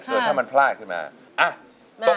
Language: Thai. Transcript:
ส่วนถ้ามันพลาดได้ก็ได้